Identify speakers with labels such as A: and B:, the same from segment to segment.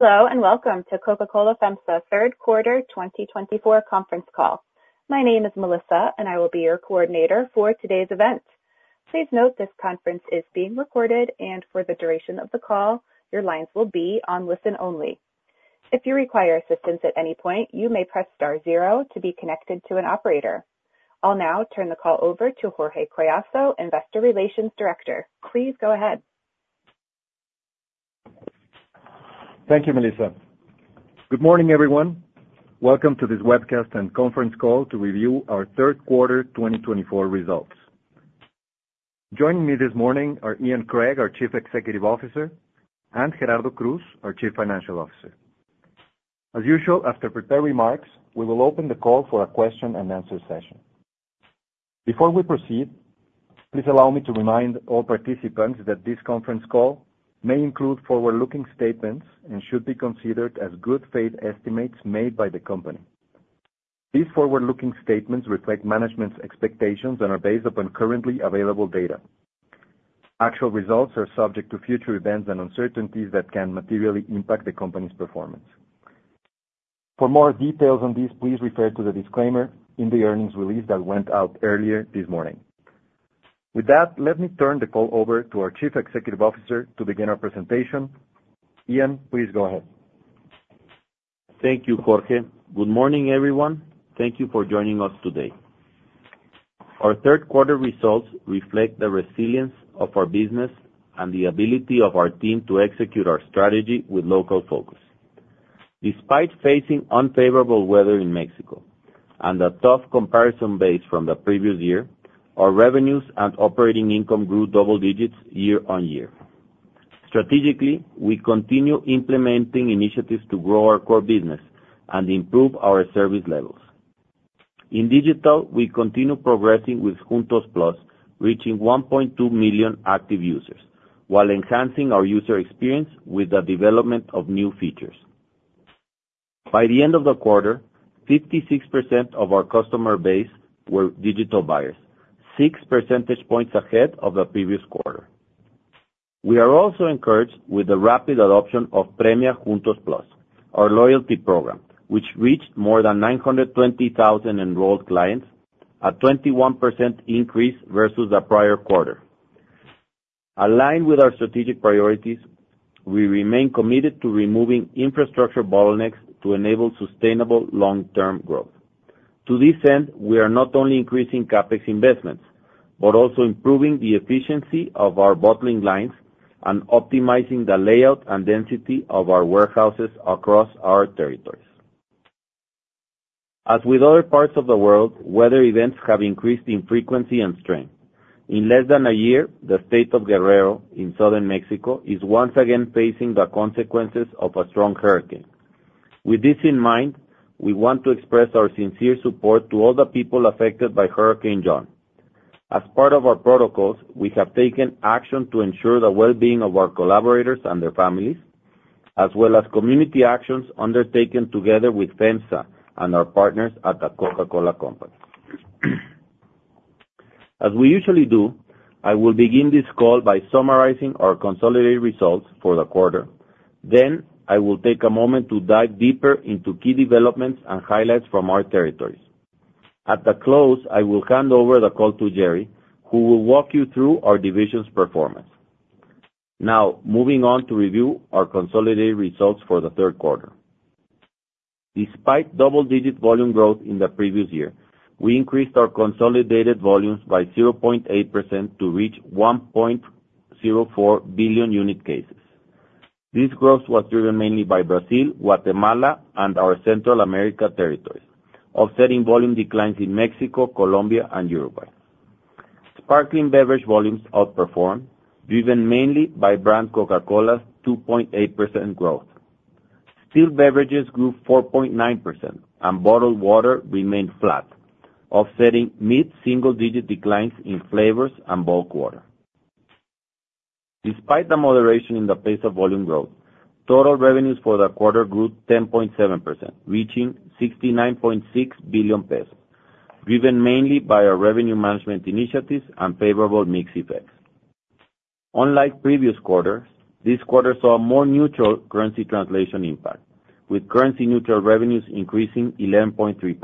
A: Hello, and welcome to Coca-Cola FEMSA third quarter 2024 conference call. My name is Melissa, and I will be your coordinator for today's event. Please note, this conference is being recorded, and for the duration of the call, your lines will be on listen only. If you require assistance at any point, you may press star zero to be connected to an operator. I'll now turn the call over to Jorge Collazo, Investor Relations Director. Please go ahead.
B: Thank you, Melissa. Good morning, everyone. Welcome to this webcast and conference call to review our third quarter 2024 results. Joining me this morning are Ian Craig, our Chief Executive Officer, and Gerardo Cruz, our Chief Financial Officer. As usual, after prepared remarks, we will open the call for a question-and-answer session. Before we proceed, please allow me to remind all participants that this conference call may include forward-looking statements and should be considered as good faith estimates made by the company. These forward-looking statements reflect management's expectations and are based upon currently available data. Actual results are subject to future events and uncertainties that can materially impact the company's performance. For more details on this, please refer to the disclaimer in the earnings release that went out earlier this morning. With that, let me turn the call over to our Chief Executive Officer to begin our presentation. Ian, please go ahead.
C: Thank you, Jorge. Good morning, everyone. Thank you for joining us today. Our third quarter results reflect the resilience of our business and the ability of our team to execute our strategy with local focus. Despite facing unfavorable weather in Mexico and a tough comparison base from the previous year, our revenues and operating income grew double digits year on year. Strategically, we continue implementing initiatives to grow our core business and improve our service levels. In digital, we continue progressing with Juntos+, reaching 1.2 million active users, while enhancing our user experience with the development of new features. By the end of the quarter, 56% of our customer base were digital buyers, six percentage points ahead of the previous quarter. We are also encouraged with the rapid adoption of Premia Juntos+, our loyalty program, which reached more than 920,000 enrolled clients, a 21% increase versus the prior quarter. Aligned with our strategic priorities, we remain committed to removing infrastructure bottlenecks to enable sustainable long-term growth. To this end, we are not only increasing CapEx investments, but also improving the efficiency of our bottling lines and optimizing the layout and density of our warehouses across our territories. As with other parts of the world, weather events have increased in frequency and strength. In less than a year, the state of Guerrero in southern Mexico is once again facing the consequences of a strong hurricane. With this in mind, we want to express our sincere support to all the people affected by Hurricane John. As part of our protocols, we have taken action to ensure the well-being of our collaborators and their families, as well as community actions undertaken together with FEMSA and our partners at The Coca-Cola Company. As we usually do, I will begin this call by summarizing our consolidated results for the quarter. Then, I will take a moment to dive deeper into key developments and highlights from our territories. At the close, I will hand over the call to Gerry, who will walk you through our divisions' performance. Now, moving on to review our consolidated results for the third quarter. Despite double-digit volume growth in the previous year, we increased our consolidated volumes by 0.8% to reach 1.04 billion unit cases. This growth was driven mainly by Brazil, Guatemala, and our Central America territories, offsetting volume declines in Mexico, Colombia, and Uruguay. Sparkling beverage volumes outperformed, driven mainly by brand Coca-Cola's 2.8% growth. Still beverages grew 4.9%, and bottled water remained flat, offsetting mid-single digit declines in flavors and bulk water. Despite the moderation in the pace of volume growth, total revenues for the quarter grew 10.7%, reaching 69.6 billion pesos, driven mainly by our revenue management initiatives and favorable mix effects. Unlike previous quarters, this quarter saw a more neutral currency translation impact, with currency-neutral revenues increasing 11.3%.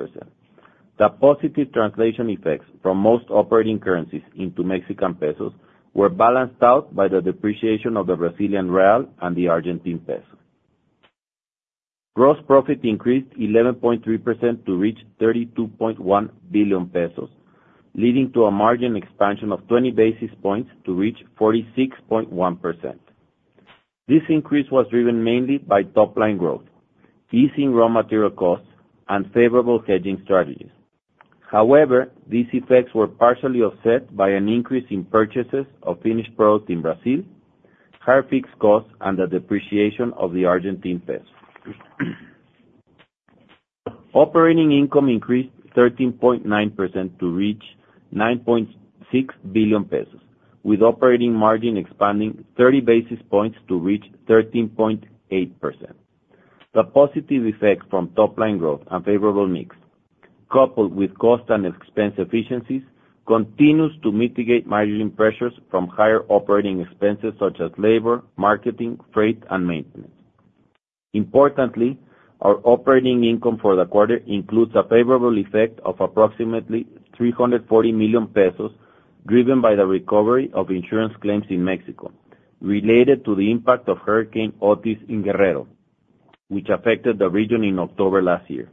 C: The positive translation effects from most operating currencies into Mexican pesos were balanced out by the depreciation of the Brazilian real and the Argentine peso. Gross profit increased 11.3% to reach 32.1 billion pesos, leading to a margin expansion of 20 basis points to reach 46.1%. This increase was driven mainly by top-line growth, easing raw material costs, and favorable hedging strategies. However, these effects were partially offset by an increase in purchases of finished products in Brazil, higher fixed costs, and the depreciation of the Argentine peso. Operating income increased 13.9% to reach 9.6 billion pesos, with operating margin expanding 30 basis points to reach 13.8%. The positive effect from top-line growth and favorable mix coupled with cost and expense efficiencies continues to mitigate margin pressures from higher operating expenses such as labor, marketing, freight, and maintenance. Importantly, our operating income for the quarter includes a favorable effect of approximately 340 million pesos, driven by the recovery of insurance claims in Mexico, related to the impact of Hurricane Otis in Guerrero, which affected the region in October last year.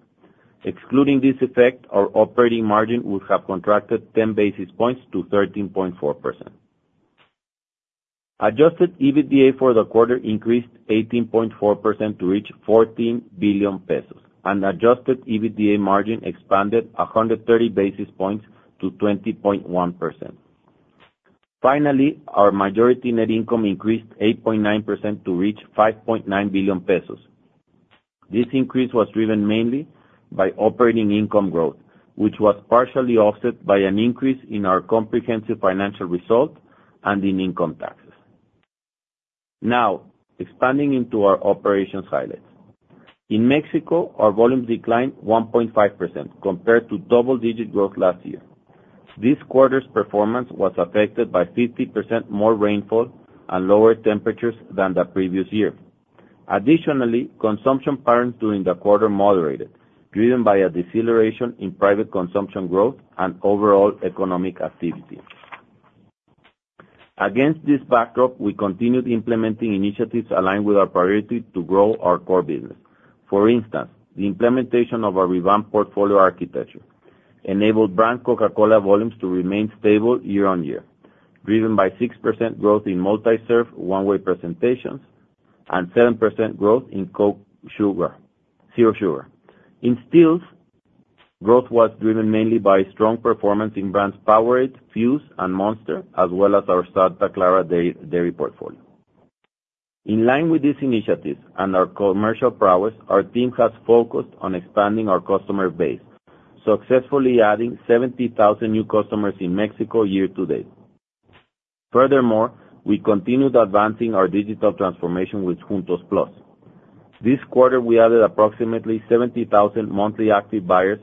C: Excluding this effect, our operating margin would have contracted 10 basis points to 13.4%. Adjusted EBITDA for the quarter increased 18.4% to reach 14 billion pesos, and Adjusted EBITDA margin expanded 130 basis points to 20.1%. Finally, our majority net income increased 8.9% to reach 5.9 billion pesos. This increase was driven mainly by operating income growth, which was partially offset by an increase in our comprehensive financial result and in income taxes. Now, expanding into our operations highlights. In Mexico, our volume declined 1.5% compared to double-digit growth last year. This quarter's performance was affected by 50% more rainfall and lower temperatures than the previous year. Additionally, consumption patterns during the quarter moderated, driven by a deceleration in private consumption growth and overall economic activity. Against this backdrop, we continued implementing initiatives aligned with our priority to grow our core business. For instance, the implementation of our revamped portfolio architecture enabled brand Coca-Cola volumes to remain stable year-on-year, driven by 6% growth in multi-serve one-way presentations and 7% growth in Coke Zero Sugar. In stills, growth was driven mainly by strong performance in brands Powerade, Fuze, and Monster, as well as our Santa Clara dairy portfolio. In line with these initiatives and our commercial prowess, our team has focused on expanding our customer base, successfully adding 70,000 new customers in Mexico year-to-date. Furthermore, we continued advancing our digital transformation with Juntos+. This quarter, we added approximately 70,000 monthly active buyers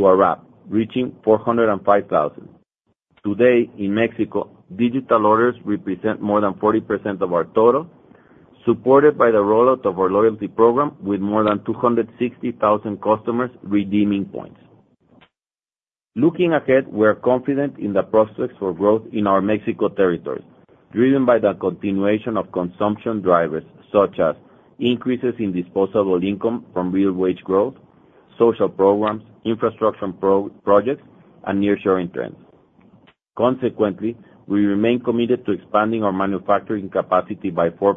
C: to our app, reaching 405,000. Today, in Mexico, digital orders represent more than 40% of our total, supported by the rollout of our loyalty program with more than 260,000 customers redeeming points. Looking ahead, we are confident in the prospects for growth in our Mexico territories, driven by the continuation of consumption drivers, such as increases in disposable income from real wage growth, social programs, infrastructure projects, and nearshoring trends. Consequently, we remain committed to expanding our manufacturing capacity by 4%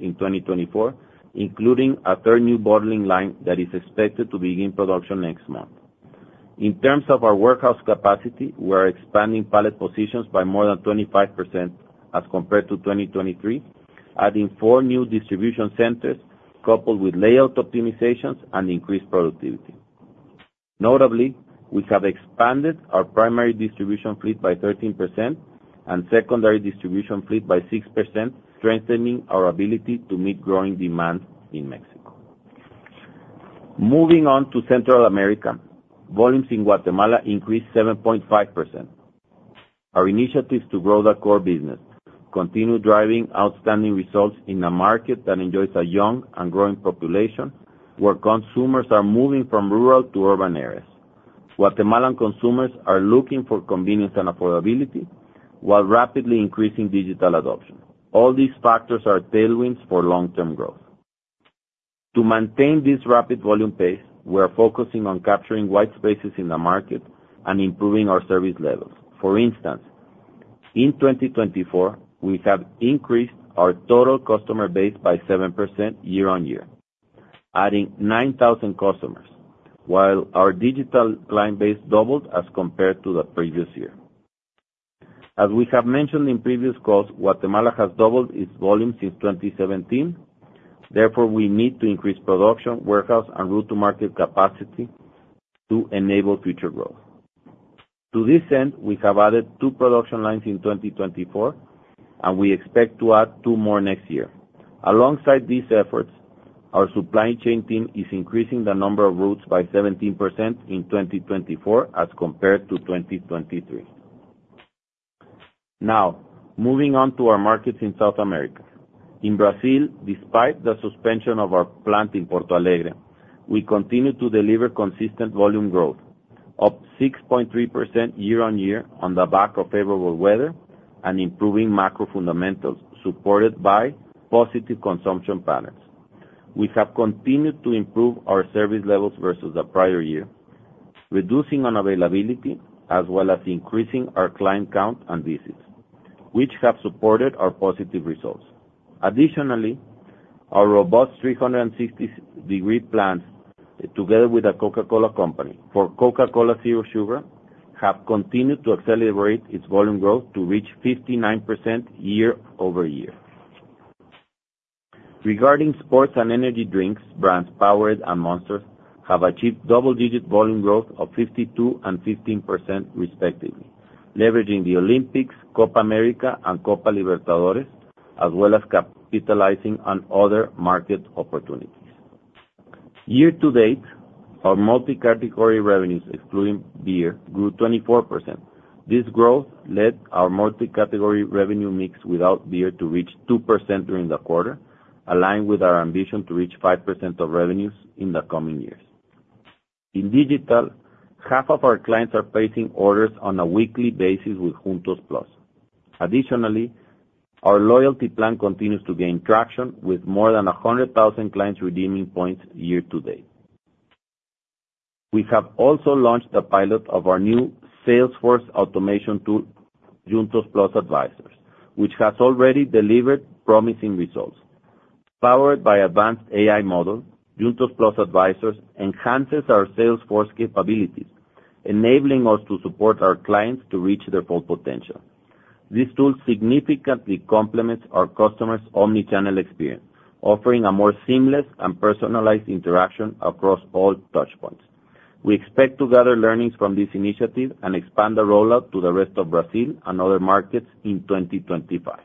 C: in 2024, including a third new bottling line that is expected to begin production next month. In terms of our warehouse capacity, we are expanding pallet positions by more than 25% as compared to 2023, adding four new distribution centers, coupled with layout optimizations and increased productivity. Notably, we have expanded our primary distribution fleet by 13% and secondary distribution fleet by 6%, strengthening our ability to meet growing demand in Mexico. Moving on to Central America. Volumes in Guatemala increased 7.5%. Our initiatives to grow the core business continue driving outstanding results in a market that enjoys a young and growing population, where consumers are moving from rural to urban areas. Guatemalan consumers are looking for convenience and affordability while rapidly increasing digital adoption. All these factors are tailwinds for long-term growth. To maintain this rapid volume pace, we are focusing on capturing white spaces in the market and improving our service levels. For instance, in 2024, we have increased our total customer base by 7% year-on-year, adding 9,000 customers, while our digital client base doubled as compared to the previous year. As we have mentioned in previous calls, Guatemala has doubled its volume since 2017. Therefore, we need to increase production, warehouse, and route-to-market capacity to enable future growth. To this end, we have added two production lines in 2024, and we expect to add two more next year. Alongside these efforts, our supply chain team is increasing the number of routes by 17% in 2024 as compared to 2023. Now, moving on to our markets in South America. In Brazil, despite the suspension of our plant in Porto Alegre, we continue to deliver consistent volume growth, up 6.3% year-on-year on the back of favorable weather and improving macro fundamentals, supported by positive consumption patterns. We have continued to improve our service levels versus the prior year, reducing unavailability, as well as increasing our client count and visits, which have supported our positive results. Additionally, our robust 360-degree plans, together with the Coca-Cola Company for Coca-Cola Zero Sugar, have continued to accelerate its volume growth to reach 59% year-over-year. Regarding sports and energy drinks, brands Powerade and Monster have achieved double-digit volume growth of 52% and 15%, respectively, leveraging the Olympics, Copa America, and Copa Libertadores, as well as capitalizing on other market opportunities. Year-to-date, our multi-category revenues, excluding beer, grew 24%. This growth led our multi-category revenue mix without beer to reach 2% during the quarter, aligned with our ambition to reach 5% of revenues in the coming years. In digital, half of our clients are placing orders on a weekly basis with Juntos+. Additionally, our loyalty plan continues to gain traction, with more than a hundred thousand clients redeeming points year-to-date. We have also launched a pilot of our new Salesforce automation tool, Juntos+ Advisors, which has already delivered promising results. Powered by advanced AI model, Juntos+ Advisors enhances our Salesforce capabilities, enabling us to support our clients to reach their full potential. This tool significantly complements our customers' omni-channel experience, offering a more seamless and personalized interaction across all touchpoints. We expect to gather learnings from this initiative and expand the rollout to the rest of Brazil and other markets in 2025.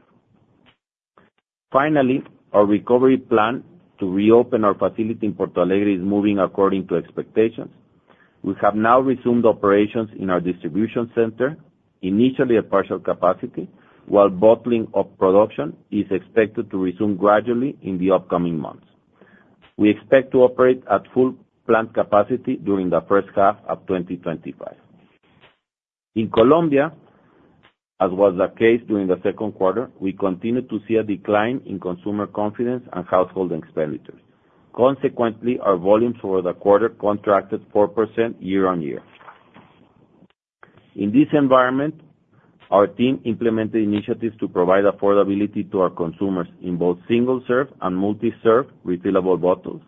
C: Finally, our recovery plan to reopen our facility in Porto Alegre is moving according to expectations. We have now resumed operations in our distribution center, initially at partial capacity, while bottling of production is expected to resume gradually in the upcoming months. We expect to operate at full plant capacity during the first half of 2025. In Colombia, as was the case during the second quarter, we continued to see a decline in consumer confidence and household expenditures. Consequently, our volumes for the quarter contracted 4% year-on-year. In this environment, our team implemented initiatives to provide affordability to our consumers in both single-serve and multi-serve refillable bottles.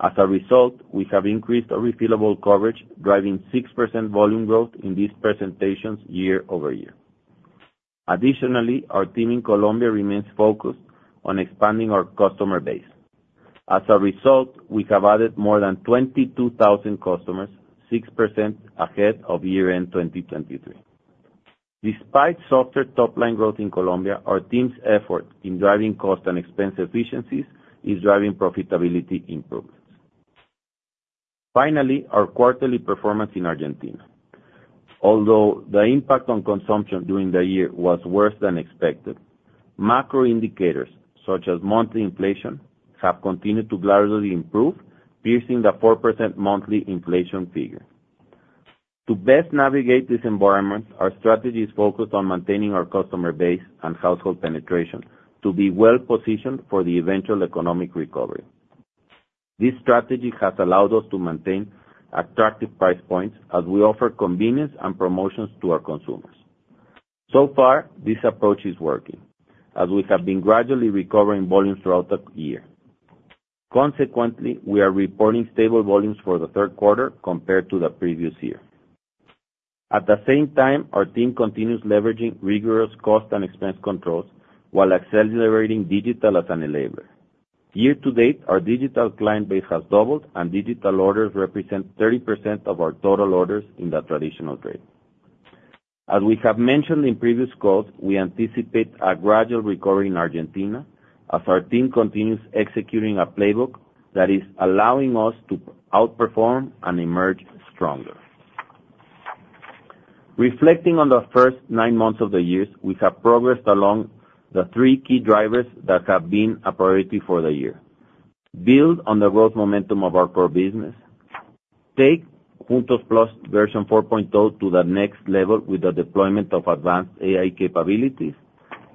C: As a result, we have increased our refillable coverage, driving 6% volume growth in these presentations year-over-year. Additionally, our team in Colombia remains focused on expanding our customer base. As a result, we have added more than 22,000 customers, 6% ahead of year-end 2023. Despite softer top-line growth in Colombia, our team's effort in driving cost and expense efficiencies is driving profitability improvements. Finally, our quarterly performance in Argentina. Although the impact on consumption during the year was worse than expected, macro indicators, such as monthly inflation, have continued to gradually improve, piercing the 4% monthly inflation figure. To best navigate this environment, our strategy is focused on maintaining our customer base and household penetration to be well-positioned for the eventual economic recovery. This strategy has allowed us to maintain attractive price points as we offer convenience and promotions to our consumers. So far, this approach is working, as we have been gradually recovering volumes throughout the year. Consequently, we are reporting stable volumes for the third quarter compared to the previous year. At the same time, our team continues leveraging rigorous cost and expense controls while accelerating digital as an enabler. Year-to-date, our digital client base has doubled, and digital orders represent 30% of our total orders in the traditional trade. As we have mentioned in previous calls, we anticipate a gradual recovery in Argentina as our team continues executing a playbook that is allowing us to outperform and emerge stronger. Reflecting on the first nine months of the year, we have progressed along the three key drivers that have been a priority for the year: build on the growth momentum of our core business, take Juntos+ version 4.0 to the next level with the deployment of advanced AI capabilities,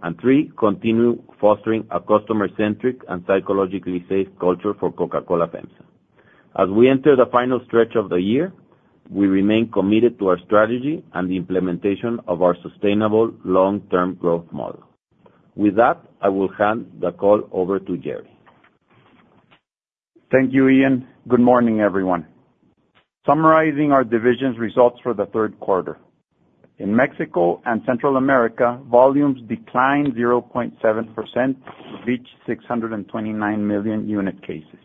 C: and three, continue fostering a customer-centric and psychologically safe culture for Coca-Cola FEMSA. As we enter the final stretch of the year, we remain committed to our strategy and the implementation of our sustainable long-term growth model. With that, I will hand the call over to Gerry.
D: Thank you, Ian. Good morning, everyone. Summarizing our division's results for the third quarter. In Mexico and Central America, volumes declined 0.7% to reach 629 million unit cases.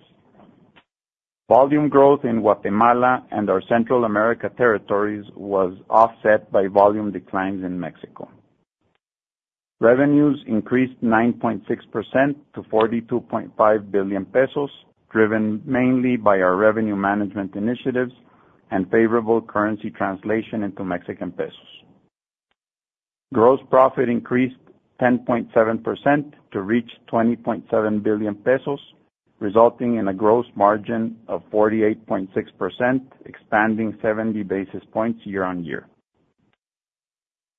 D: Volume growth in Guatemala and our Central America territories was offset by volume declines in Mexico. Revenues increased 9.6% to 42.5 billion pesos, driven mainly by our revenue management initiatives and favorable currency translation into Mexican pesos. Gross profit increased 10.7% to reach 20.7 billion pesos, resulting in a gross margin of 48.6%, expanding 70 basis points year on year.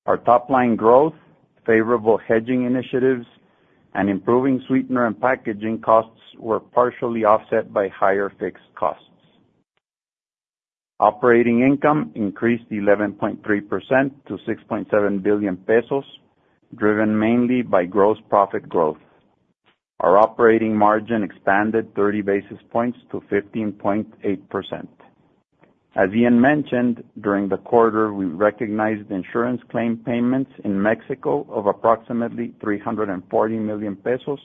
D: Our top-line growth, favorable hedging initiatives, and improving sweetener and packaging costs were partially offset by higher fixed costs. Operating income increased 11.3% to 6.7 billion pesos, driven mainly by gross profit growth. Our operating margin expanded 30 basis points to 15.8%. As Ian mentioned, during the quarter, we recognized insurance claim payments in Mexico of approximately 340 million pesos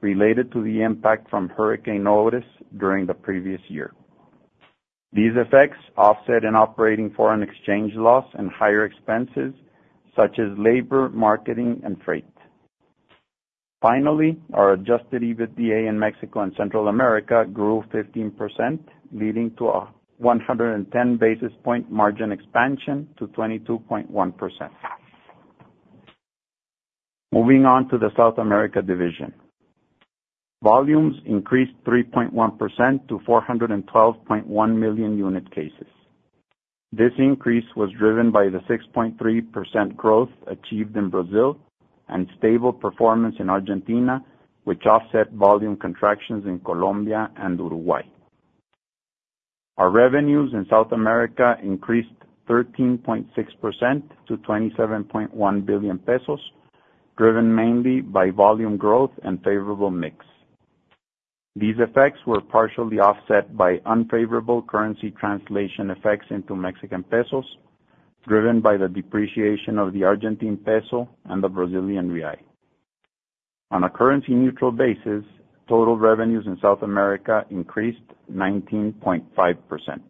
D: related to the impact from Hurricane Otis during the previous year. These effects offset an operating foreign exchange loss and higher expenses such as labor, marketing, and freight. Finally, our Adjusted EBITDA in Mexico and Central America grew 15%, leading to a 110 basis point margin expansion to 22.1%. Moving on to the South America division. Volumes increased 3.1% to 412.1 million unit cases. This increase was driven by the 6.3% growth achieved in Brazil and stable performance in Argentina, which offset volume contractions in Colombia and Uruguay. Our revenues in South America increased 13.6% to 27.1 billion pesos, driven mainly by volume growth and favorable mix. These effects were partially offset by unfavorable currency translation effects into Mexican pesos, driven by the depreciation of the Argentine peso and the Brazilian real. On a currency-neutral basis, total revenues in South America increased 19.5%.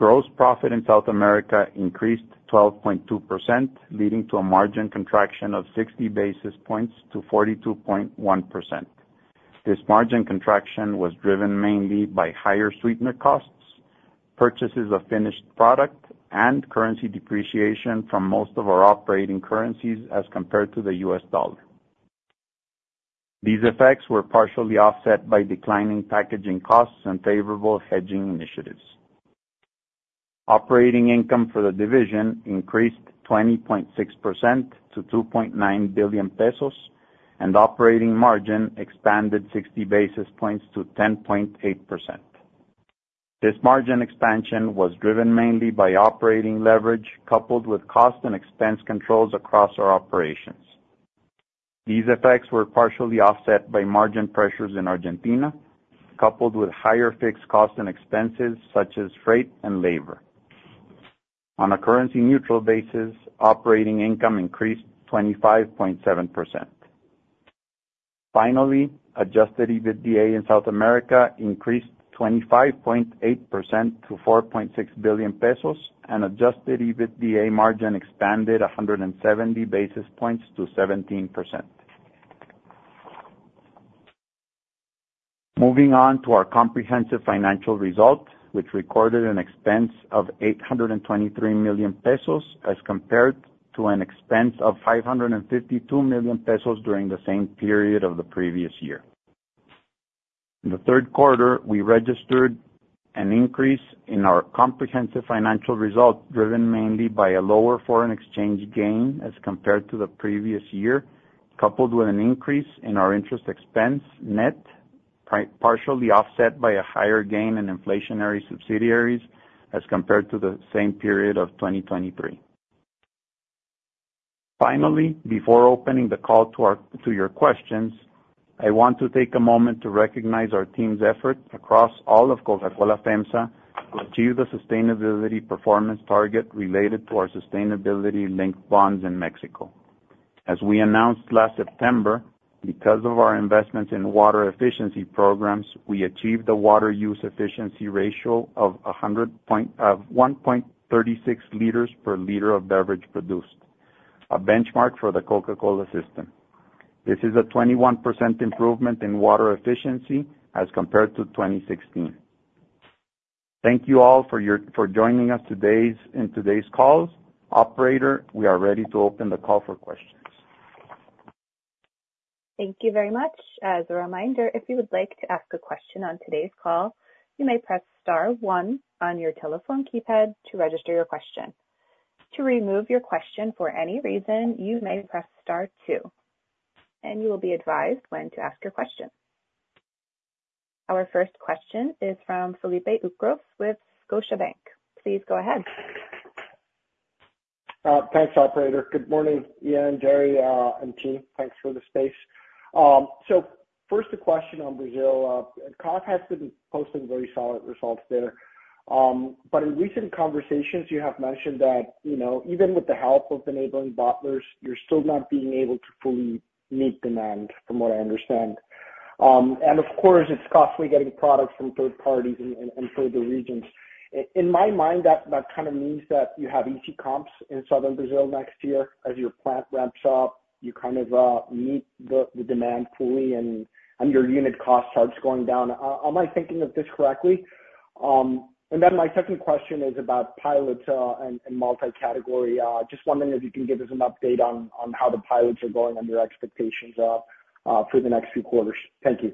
D: Gross profit in South America increased 12.2%, leading to a margin contraction of 60 basis points to 42.1%. This margin contraction was driven mainly by higher sweetener costs, purchases of finished product, and currency depreciation from most of our operating currencies as compared to the U.S. dollar. These effects were partially offset by declining packaging costs and favorable hedging initiatives. Operating income for the division increased 20.6% to 2.9 billion pesos, and operating margin expanded 60 basis points to 10.8%. This margin expansion was driven mainly by operating leverage, coupled with cost and expense controls across our operations. These effects were partially offset by margin pressures in Argentina, coupled with higher fixed costs and expenses such as freight and labor. On a currency-neutral basis, operating income increased 25.7%. Finally, Adjusted EBITDA in South America increased 25.8% to 4.6 billion pesos, and Adjusted EBITDA margin expanded 170 basis points to 17%. Moving on to our comprehensive financial results, which recorded an expense of 823 million pesos, as compared to an expense of 552 million pesos during the same period of the previous year. In the third quarter, we registered an increase in our comprehensive financial result, driven mainly by a lower foreign exchange gain as compared to the previous year, coupled with an increase in our interest expense net, partially offset by a higher gain in inflationary subsidiaries as compared to the same period of 2023. Finally, before opening the call to your questions, I want to take a moment to recognize our team's effort across all of Coca-Cola FEMSA to achieve the sustainability performance target related to our sustainability-linked bonds in Mexico. As we announced last September, because of our investments in water efficiency programs, we achieved a water use efficiency ratio of 1.0136 liters per liter of beverage produced, a benchmark for the Coca-Cola system. This is a 21% improvement in water efficiency as compared to 2016. Thank you all for joining us in today's call. Operator, we are ready to open the call for questions.
A: Thank you very much. As a reminder, if you would like to ask a question on today's call, you may press star one on your telephone keypad to register your question. To remove your question for any reason, you may press star two, and you will be advised when to ask your question. Our first question is from Felipe Ucros with Scotiabank. Please go ahead.
E: Thanks, operator. Good morning, Ian, Gerry, and team. Thanks for the space. So first, a question on Brazil. Coke has been posting very solid results there, but in recent conversations, you have mentioned that, you know, even with the help of enabling bottlers, you're still not being able to fully meet demand, from what I understand. And of course, it's costly getting products from third parties in further regions. In my mind, that kind of means that you have easy comps in southern Brazil next year. As your plant ramps up, you kind of meet the demand fully and your unit cost starts going down. Am I thinking of this correctly? And then my second question is about pilots, and multi-category. Just wondering if you can give us an update on how the pilots are going and your expectations for the next few quarters. Thank you.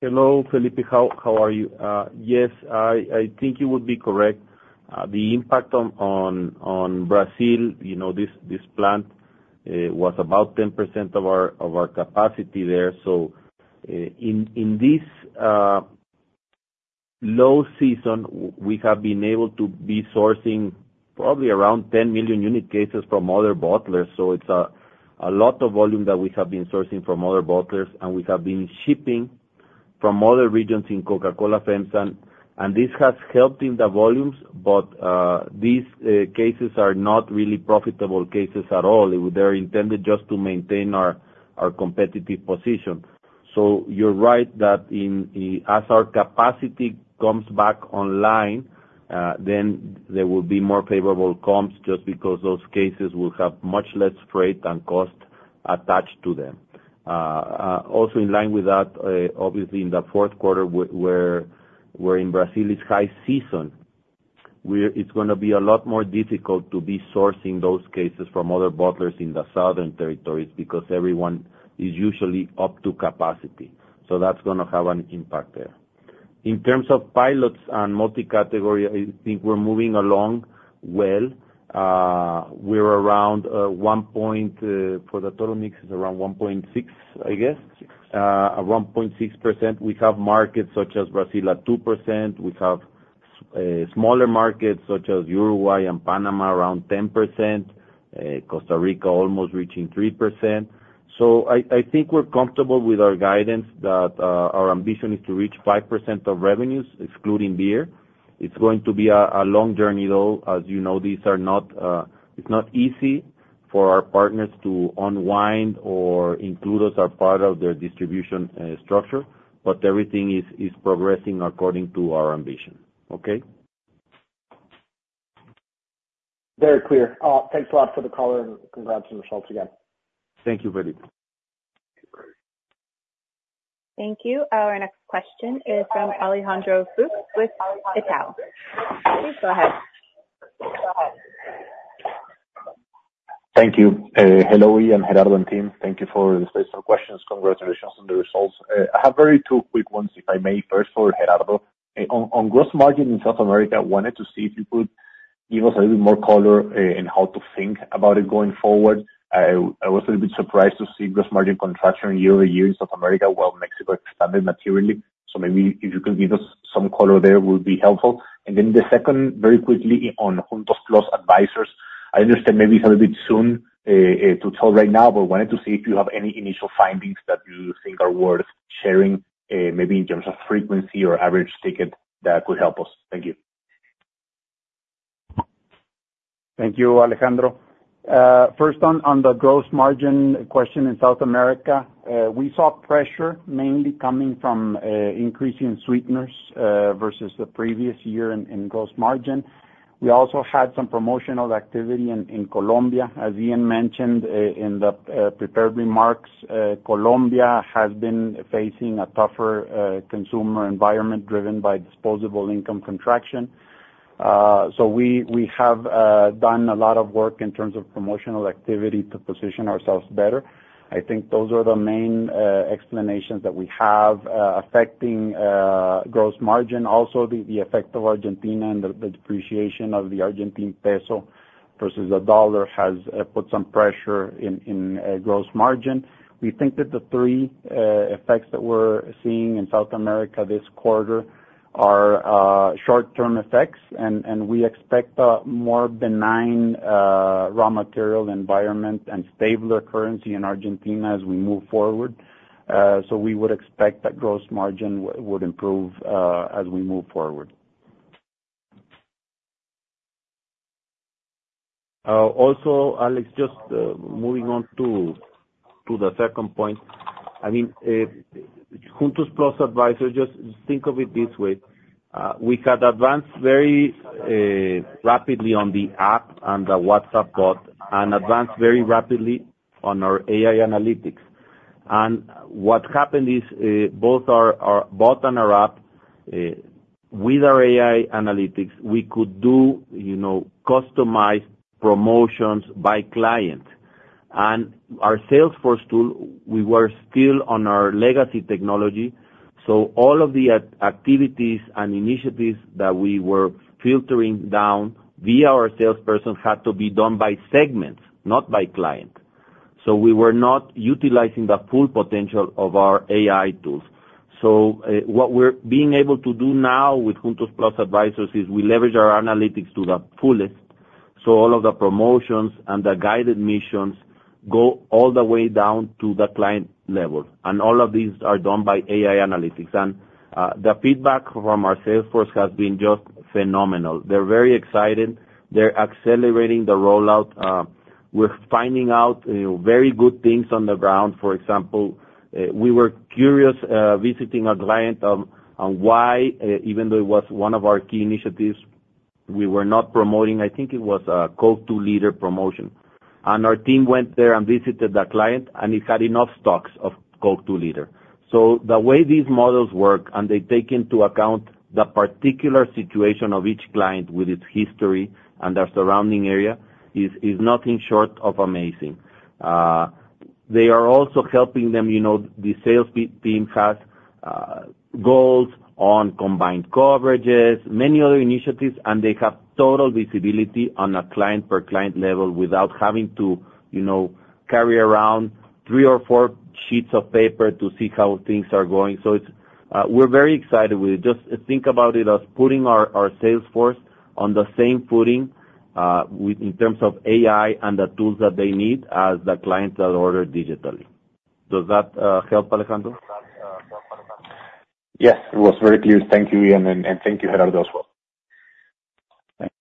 D: Hello, Felipe. How are you? Yes, I think you would be correct. The impact on Brazil, you know, this plant was about 10% of our capacity there. In this low season, we have been able to be sourcing probably around 10 million unit cases from other bottlers. So it's a lot of volume that we have been sourcing from other bottlers, and we have been shipping...
C: from other regions in Coca-Cola FEMSA, and this has helped in the volumes, but, these cases are not really profitable cases at all. They're intended just to maintain our competitive position. So you're right that as our capacity comes back online, then there will be more favorable comps, just because those cases will have much less freight and cost attached to them. Also in line with that, obviously in the fourth quarter, where in Brazil, it's high season, it's gonna be a lot more difficult to be sourcing those cases from other bottlers in the southern territories because everyone is usually up to capacity. So that's gonna have an impact there. In terms of pilots and multi-category, I think we're moving along well. We're around 1% for the total mix. It's around 1.6%. One point six percent. We have markets such as Brazil at 2%. We have smaller markets such as Uruguay and Panama around 10%, Costa Rica almost reaching 3%. So I think we're comfortable with our guidance that our ambition is to reach 5% of revenues, excluding beer. It's going to be a long journey, though. As you know, it's not easy for our partners to unwind or include us as part of their distribution structure, but everything is progressing according to our ambition. Okay? Very clear. Thanks a lot for the color, and congrats on the results again. Thank you, väldigt.
A: Thank you. Our next question is from Alejandro Fuchs with Itaú. Please go ahead.
F: Thank you. Hello, Ian, Gerardo, and team. Thank you for the space for questions. Congratulations on the results. I have very two quick ones, if I may. First for Gerardo. On gross margin in South America, wanted to see if you could give us a little bit more color in how to think about it going forward. I was a little bit surprised to see gross margin contraction year-over-year in South America, while Mexico expanded materially. So maybe if you could give us some color there, would be helpful. And then the second, very quickly, on Juntos+ Advisors, I understand maybe it's a little bit soon to tell right now, but wanted to see if you have any initial findings that you think are worth sharing, maybe in terms of frequency or average ticket that could help us. Thank you.
C: Thank you, Alejandro. First on the gross margin question in South America, we saw pressure mainly coming from increase in sweeteners versus the previous year in gross margin. We also had some promotional activity in Colombia. As Ian mentioned in the prepared remarks, Colombia has been facing a tougher consumer environment driven by disposable income contraction. So we have done a lot of work in terms of promotional activity to position ourselves better. I think those are the main explanations that we have affecting gross margin. Also, the effect of Argentina and the depreciation of the Argentine peso versus the dollar has put some pressure in gross margin. We think that the three effects that we're seeing in South America this quarter are short-term effects, and we expect a more benign raw material environment and stabler currency in Argentina as we move forward. We would expect that gross margin would improve as we move forward. Also, Alex, just moving on to the second point. I mean, Juntos+ Advisors, just think of it this way: We had advanced very rapidly on the app and the WhatsApp bot and advanced very rapidly on our AI analytics. And what happened is both our bot and our app with our AI analytics, we could do, you know, customized promotions by client. Our sales force tool, we were still on our legacy technology, so all of the activities and initiatives that we were filtering down via our salesperson had to be done by segments, not by client. We were not utilizing the full potential of our AI tools. What we're being able to do now with Juntos+ Advisors is we leverage our analytics to the fullest, so all of the promotions and the guided missions go all the way down to the client level, and all of these are done by AI analytics. The feedback from our sales force has been just phenomenal. They're very excited. They're accelerating the rollout. We're finding out, you know, very good things on the ground. For example, we were curious, visiting a client, on why, even though it was one of our key initiatives, we were not promoting, I think it was a Coke 2-liter promotion, and our team went there and visited the client, and he had enough stocks of Coke 2-liter, so the way these models work, and they take into account the particular situation of each client with its history and their surrounding area, is nothing short of amazing. They are also helping them, you know, the sales team has goals on combined coverages, many other initiatives, and they have total visibility on a client-per-client level without having to, you know, carry around three or four sheets of paper to see how things are going, so it's... We're very excited with it. Just think about it as putting our sales force on the same footing with, in terms of AI and the tools that they need as the clients that order digitally. Does that help, Alejandro?
F: Yes, it was very clear. Thank you, Ian, and thank you, Gerardo, as well. Thanks.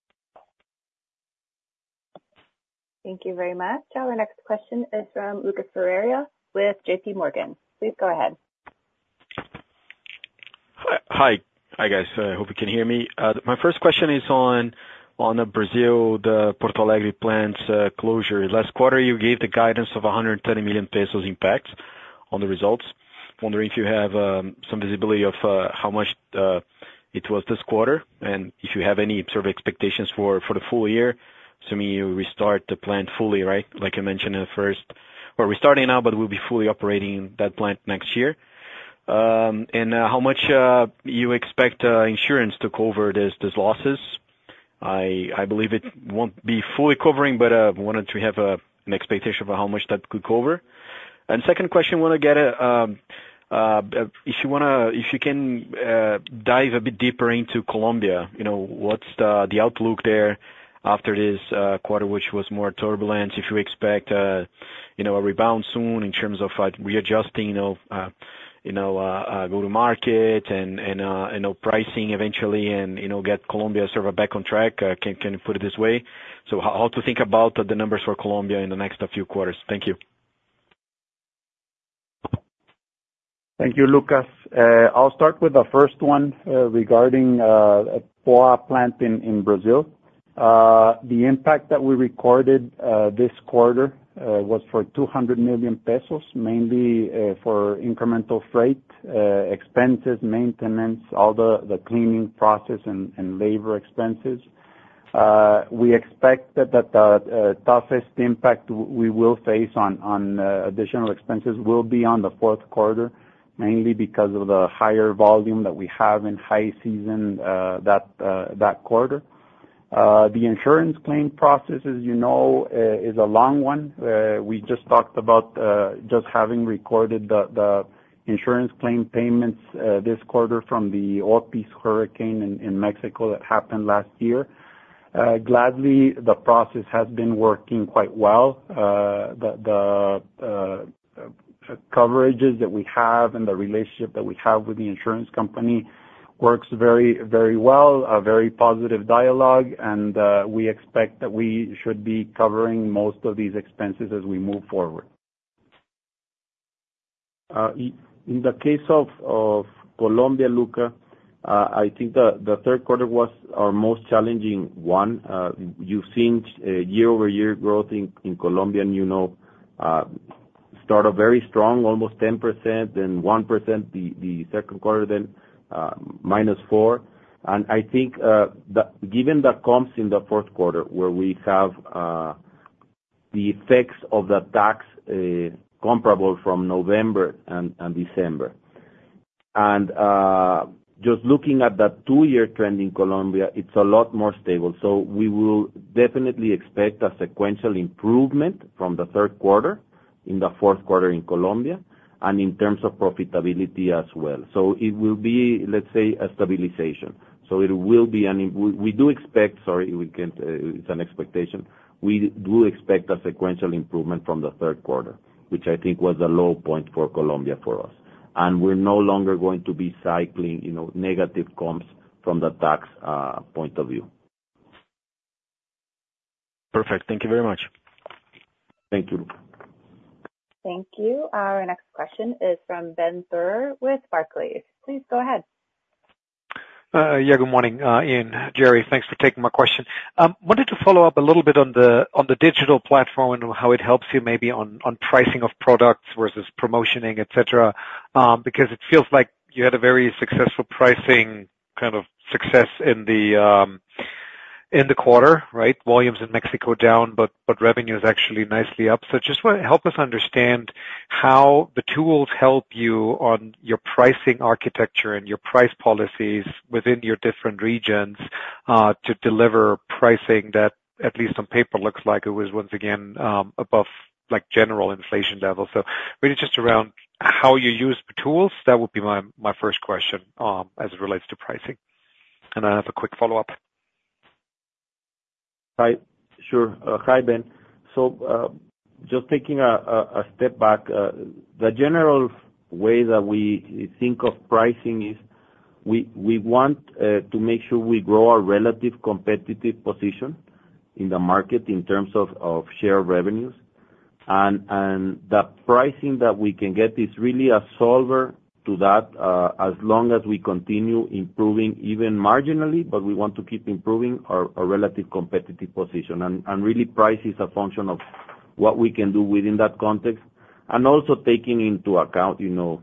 A: Thank you very much. Our next question is from Lucas Ferreira with J.P. Morgan. Please go ahead.
G: Hi. Hi, guys. I hope you can hear me. My first question is on the Brazil, the Porto Alegre plant's closure. Last quarter, you gave the guidance of 130 million pesos impact on the results. I'm wondering if you have some visibility of how much it was this quarter, and if you have any sort of expectations for the full year? Assuming you restart the plant fully, right? Like I mentioned in the first... We're restarting now, but we'll be fully operating that plant next year. And how much you expect insurance to cover these losses? I believe it won't be fully covering, but wanted to have an expectation about how much that could cover. Second question, I wanna get if you can dive a bit deeper into Colombia, you know, what's the outlook there after this quarter, which was more turbulent? If you expect, you know, a rebound soon in terms of readjusting, you know, go-to-market and, and, you know, pricing eventually and, you know, get Colombia sort of back on track. Can you put it this way? So how to think about the numbers for Colombia in the next few quarters? Thank you.
C: Thank you, Lucas. I'll start with the first one, regarding POA plant in Brazil. The impact that we recorded this quarter was for 200 million pesos, mainly for incremental freight expenses, maintenance, all the cleaning process and labor expenses. We expect that the toughest impact we will face on additional expenses will be on the fourth quarter, mainly because of the higher volume that we have in high season that quarter. The insurance claim process, as you know, is a long one. We just talked about just having recorded the insurance claim payments this quarter from the Otis hurricane in Mexico that happened last year. Gladly, the process has been working quite well. The coverages that we have and the relationship that we have with the insurance company works very, very well, a very positive dialogue, and we expect that we should be covering most of these expenses as we move forward. In the case of Colombia, Lucas, I think the third quarter was our most challenging one. You've seen year-over-year growth in Colombia, and you know, it started very strong, almost 10%, then 1%, the second quarter, then minus 4%. And I think, then given that comes in the fourth quarter, where we have the effects of the tax comparable from November and December. And just looking at that two-year trend in Colombia, it's a lot more stable. So we will definitely expect a sequential improvement from the third quarter in the fourth quarter in Colombia, and in terms of profitability as well. So it will be, let's say, a stabilization. So it will be an improvement. We do expect, sorry, we can't. It's an expectation. We do expect a sequential improvement from the third quarter, which I think was a low point for Colombia, for us. And we're no longer going to be cycling, you know, negative comps from the tax point of view.
G: Perfect. Thank you very much.
C: Thank you.
A: Thank you. Our next question is from Benjamin Theurer with Barclays. Please go ahead.
H: Yeah, good morning, Ian, Gerry. Thanks for taking my question. Wanted to follow up a little bit on the digital platform and how it helps you maybe on pricing of products versus promoting, et cetera. Because it feels like you had a very successful pricing success in the quarter, right? Volumes in Mexico down, but revenue is actually nicely up. So just wanna help us understand how the tools help you on your pricing architecture and your price policies within your different regions to deliver pricing that, at least on paper, looks like it was once again above, like, general inflation level. So really just around how you use the tools, that would be my first question as it relates to pricing. And I have a quick follow-up.
C: Hi. Sure. Hi, Ben. So, just taking a step back, the general way that we think of pricing is we want to make sure we grow our relative competitive position in the market in terms of share revenues. And the pricing that we can get is really a solver to that, as long as we continue improving even marginally, but we want to keep improving our relative competitive position. And really, price is a function of what we can do within that context, and also taking into account, you know,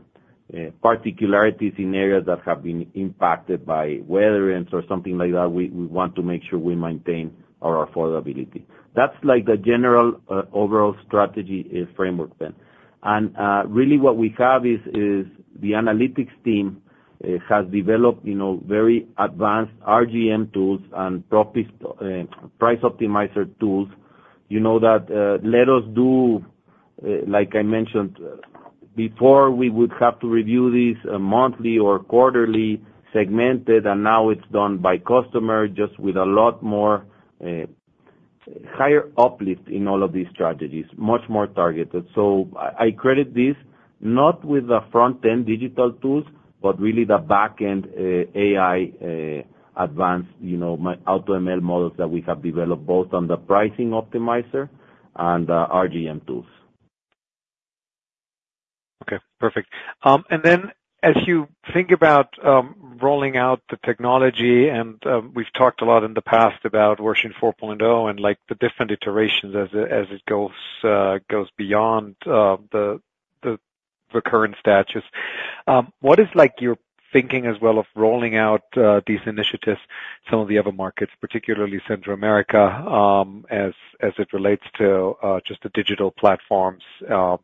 C: particularities in areas that have been impacted by weather or something like that, we want to make sure we maintain our affordability. That's like the general overall strategy and framework, Ben. Really what we have is the analytics team has developed, you know, very advanced RGM tools and price optimizer tools, you know, that let us do, like I mentioned, before we would have to review these monthly or quarterly segmented, and now it's done by customer, just with a lot more higher uplift in all of these strategies, much more targeted. So I credit this, not with the front-end digital tools, but really the back-end AI advanced, you know, AutoML models that we have developed, both on the pricing optimizer and RGM tools.
H: Okay, perfect. And then as you think about rolling out the technology, and we've talked a lot in the past about version 4.0, and, like, the different iterations as it goes beyond the current status. What is like your thinking as well of rolling out these initiatives, some of the other markets, particularly Central America, as it relates to just the digital platforms to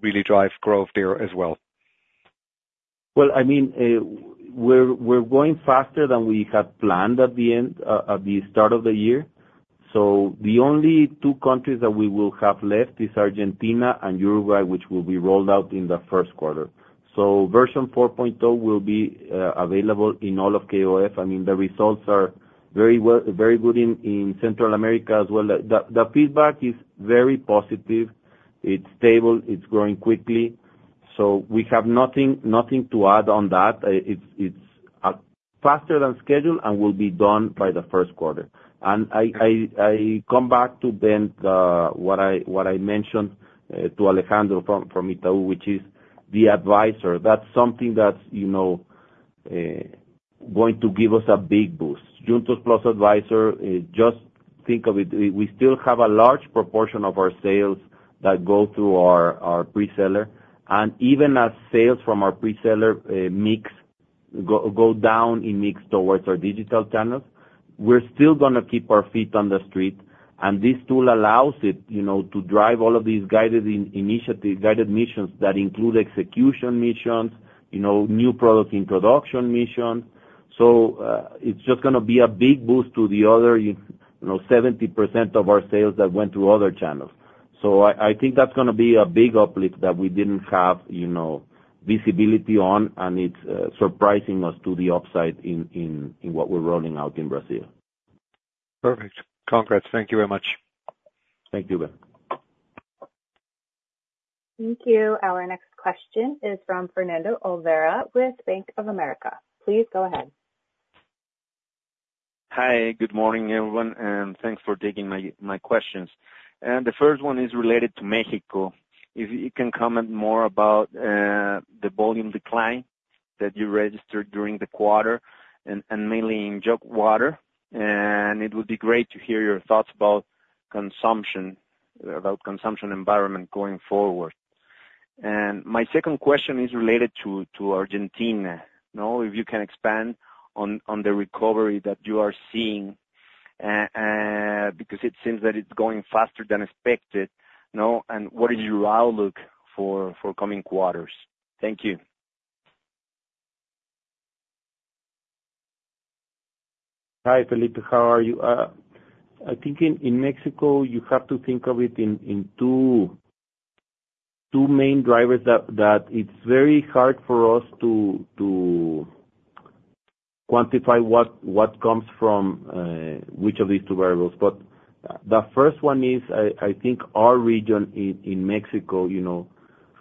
H: really drive growth there as well?
C: I mean, we're going faster than we had planned at the end at the start of the year. The only two countries that we will have left is Argentina and Uruguay, which will be rolled out in the first quarter. Version 4.0 will be available in all of KOF. I mean, the results are very good in Central America as well. The feedback is very positive. It's stable, it's growing quickly, so we have nothing to add on that. It's faster than scheduled and will be done by the first quarter. I come back to then what I mentioned to Alejandro from Itaú, which is the advisor. That's something that's, you know, going to give us a big boost. Juntos+ Advisors, just think of it, we still have a large proportion of our sales that go through our pre-seller, and even as sales from our pre-seller mix go down in mix towards our digital channels, we're still gonna keep our feet on the street, and this tool allows it, you know, to drive all of these guided initiatives, guided missions, that include execution missions, you know, new product introduction missions. So, it's just gonna be a big boost to the other, you know, 70% of our sales that went through other channels. So I think that's gonna be a big uplift that we didn't have, you know, visibility on, and it's surprising us to the upside in what we're rolling out in Brazil.
H: Perfect. Congrats. Thank you very much.
C: Thank you, Ben.
A: Thank you. Our next question is from Fernando Olvera with Bank of America. Please go ahead.
I: Hi, good morning, everyone, and thanks for taking my questions. And the first one is related to Mexico. If you can comment more about the volume decline that you registered during the quarter and mainly in jug water, and it would be great to hear your thoughts about the consumption environment going forward. And my second question is related to Argentina, you know, if you can expand on the recovery that you are seeing because it seems that it's going faster than expected, you know, and what is your outlook for coming quarters? Thank you.
C: Hi, Felipe. How are you? I think in Mexico, you know,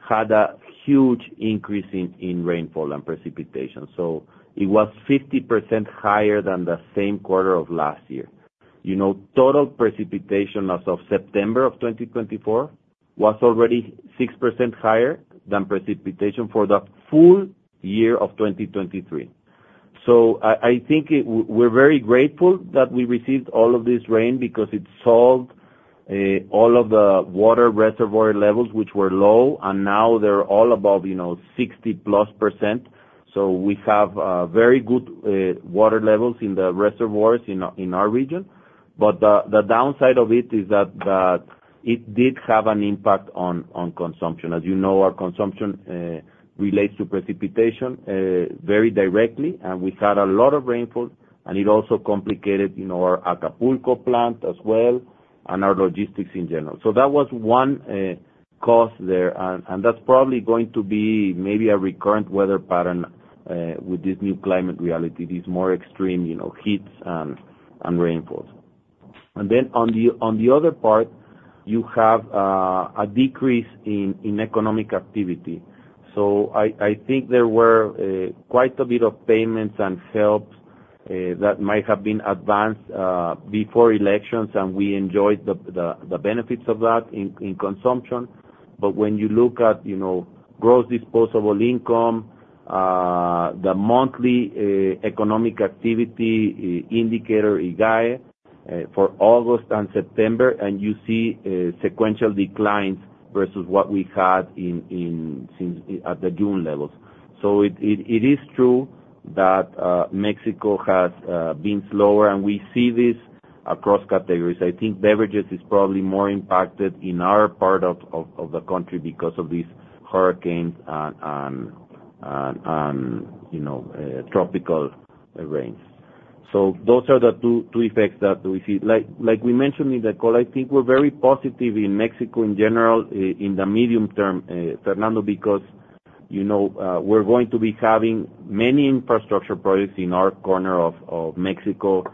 C: had a huge increase in rainfall and precipitation. So it was 50% higher than the same quarter of last year. You know, total precipitation as of September of 2024 was already 6% higher than precipitation for the full year of 2023. So I think we're very grateful that we received all of this rain because it solved all of the water reservoir levels, which were low, and now they're all above, you know, 60%+. So we have very good water levels in the reservoirs in our region. But the downside of it is that it did have an impact on consumption. As you know, our consumption relates to precipitation very directly, and we had a lot of rainfall, and it also complicated, you know, our Acapulco plant as well, and our logistics in general. So that was one cause there, and that's probably going to be maybe a recurrent weather pattern with this new climate reality, these more extreme, you know, heats and rainfalls. And then on the other part, you have a decrease in economic activity. So I think there were quite a bit of payments and sales that might have been advanced before elections, and we enjoyed the benefits of that in consumption. But when you look at, you know, gross disposable income, the monthly economic activity indicator, IGAE, for August and September, and you see sequential declines versus what we had in since at the June levels. So it is true that Mexico has been slower, and we see this across categories. I think beverages is probably more impacted in our part of the country because of these hurricanes and you know tropical rains. So those are the two effects that we see. Like, like we mentioned in the call, I think we're very positive in Mexico in general, in the medium term, Fernando, because, you know, we're going to be having many infrastructure projects in our corner of Mexico.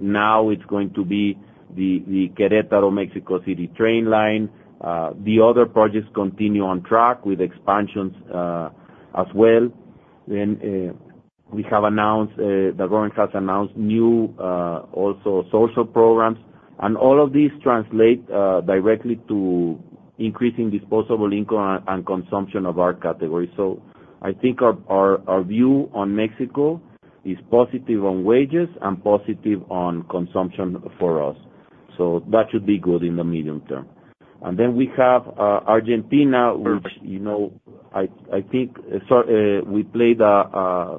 C: Now it's going to be the Querétaro-Mexico City train line. The other projects continue on track with expansions, as well. Then, we have announced, the government has announced new, also social programs, and all of these translate directly to increasing disposable income and consumption of our category. So I think our view on Mexico is positive on wages and positive on consumption for us. So that should be good in the medium term. And then we have Argentina, which, you know, I think, so,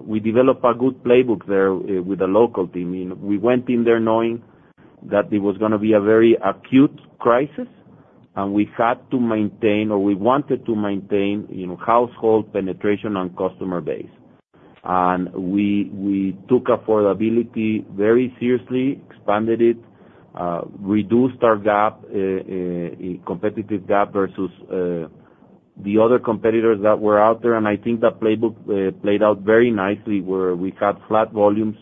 C: we developed a good playbook there, with the local team. I mean, we went in there knowing that it was gonna be a very acute crisis, and we had to maintain, or we wanted to maintain, you know, household penetration and customer base. And we took affordability very seriously, expanded it, reduced our competitive gap versus the other competitors that were out there. And I think that playbook played out very nicely, where we had flat volumes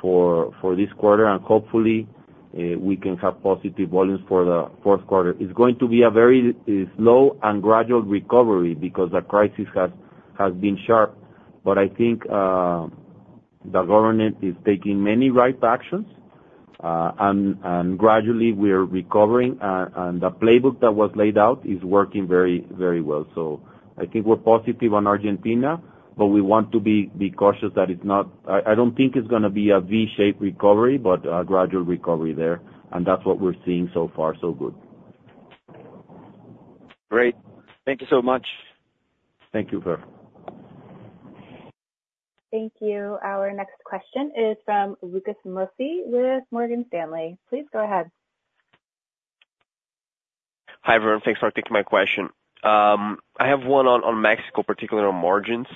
C: for this quarter, and hopefully we can have positive volumes for the fourth quarter. It's going to be a very slow and gradual recovery because the crisis has been sharp. But I think the government is taking many right actions, and gradually we are recovering, and the playbook that was laid out is working very, very well. So I think we're positive on Argentina, but we want to be cautious that it's not. I don't think it's gonna be a V-shaped recovery, but a gradual recovery there, and that's what we're seeing so far, so good.
I: Great. Thank you so much.
C: Thank you, sir.
A: Thank you. Our next question is from Lucas Mussi with Morgan Stanley. Please go ahead.
J: Hi, everyone. Thanks for taking my question. I have one on Mexico, particularly on margins.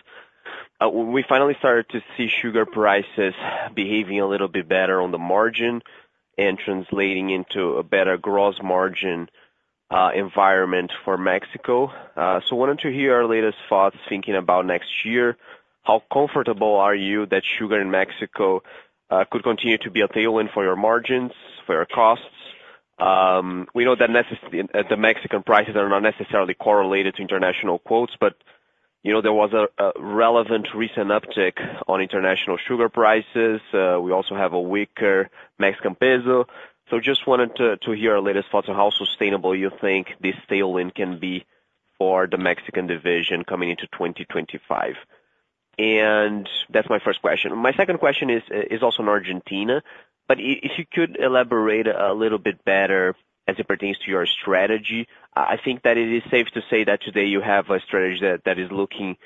J: We finally started to see sugar prices behaving a little bit better on the margin and translating into a better gross margin, environment for Mexico. So wanted to hear your latest thoughts thinking about next year. How comfortable are you that sugar in Mexico, could continue to be a tailwind for your margins, for your costs? We know that the Mexican prices are not necessarily correlated to international quotes, but, you know, there was a relevant recent uptick on international sugar prices. We also have a weaker Mexican peso. So just wanted to hear your latest thoughts on how sustainable you think this tailwind can be for the Mexican division coming into 2025. That's my first question. My second question is also on Argentina, but if you could elaborate a little bit better as it pertains to your strategy. I think that it is safe to say that today you have a strategy that is looking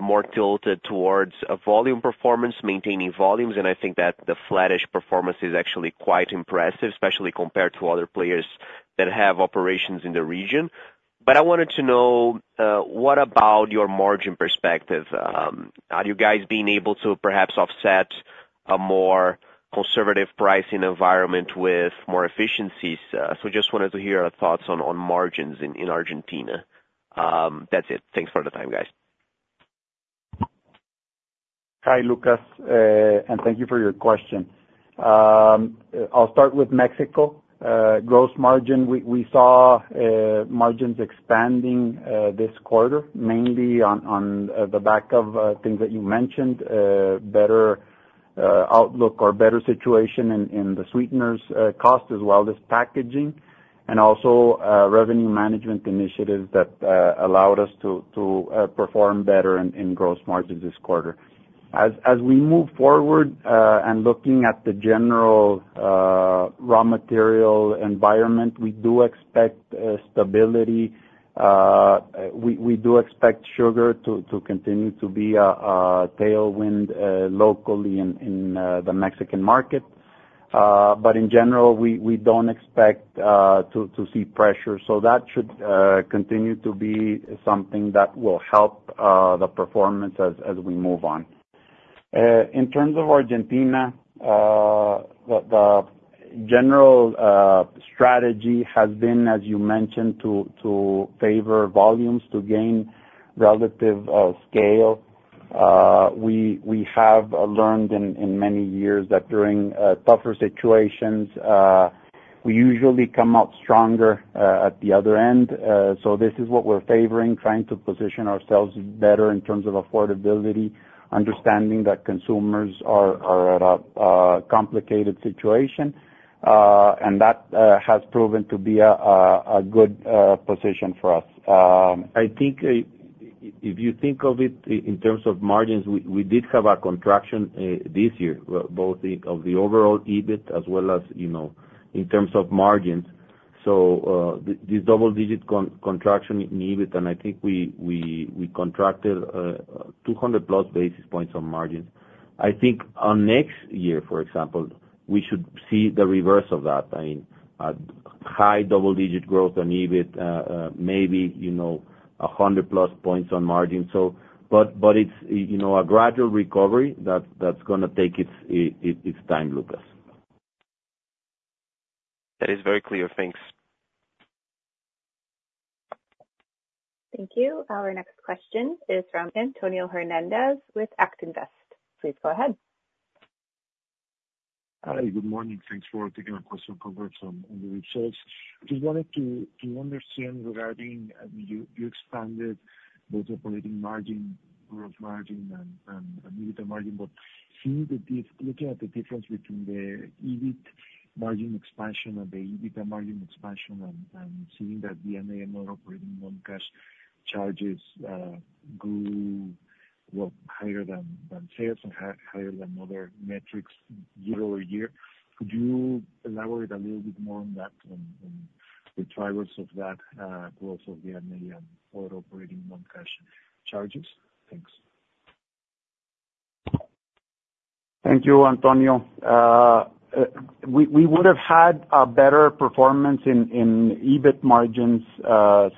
J: more tilted towards a volume performance, maintaining volumes, and I think that the flattish performance is actually quite impressive, especially compared to other players that have operations in the region. But I wanted to know what about your margin perspective? Are you guys being able to perhaps offset a more conservative pricing environment with more efficiencies? So just wanted to hear your thoughts on margins in Argentina. That's it. Thanks for the time, guys.
D: Hi, Lucas, and thank you for your question. I'll start with Mexico. Gross margin, we saw margins expanding this quarter, mainly on the back of things that you mentioned, better outlook or better situation in the sweeteners cost, as well as packaging, and also revenue management initiatives that allowed us to perform better in gross margins this quarter. As we move forward, and looking at the general raw material environment, we do expect stability. We do expect sugar to continue to be a tailwind locally in the Mexican market. But in general, we don't expect to see pressure. So that should continue to be something that will help the performance as we move on. In terms of Argentina, the general strategy has been, as you mentioned, to favor volumes, to gain relative scale. We have learned in many years that during tougher situations, we usually come out stronger at the other end, so this is what we're favoring, trying to position ourselves better in terms of affordability, understanding that consumers are at a complicated situation, and that has proven to be a good position for us.
C: I think, if you think of it in terms of margins, we did have a contraction this year, both in the overall EBIT as well as, you know, in terms of margins. So, this double-digit contraction in EBIT, and I think we contracted 200+ basis points on margins. I think on next year, for example, we should see the reverse of that. I mean, at-...
D: high double digit growth on EBIT, maybe, you know, 100+ points on margin. So but, but it's, you know, a gradual recovery that's gonna take its time, Lucas.
G: That is very clear. Thanks.
A: Thank you. Our next question is from Antonio Hernández with Actinver. Please go ahead.
K: Hi, good morning. Thanks for taking my question, congrats on the results. Just wanted to understand regarding you expanded both operating margin, gross margin and EBITDA margin, but looking at the difference between the EBIT margin expansion and the EBITDA margin expansion and seeing that the M&A operating non-cash charges grew higher than sales and higher than other metrics year-over-year. Could you elaborate a little bit more on that and the drivers of that growth of the M&A and other operating non-cash charges? Thanks.
D: Thank you, Antonio. We would have had a better performance in EBIT margins,